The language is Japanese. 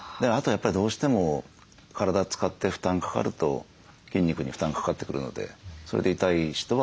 やっぱりどうしても体使って負担かかると筋肉に負担かかってくるのでそれで痛い人は多いと思いますね。